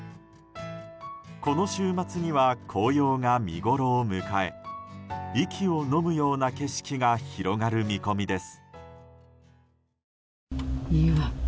この週末には紅葉が見ごろを迎え息をのむような景色が広がる見込みです。